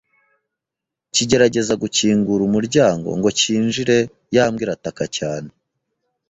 kigerageza gukingura umuryango ngo cyinjire ya mbwa irataka cyane